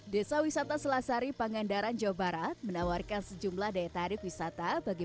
desa wisata selasari pangandaran jawa barat menawarkan sejumlah daya tarik wisata bagi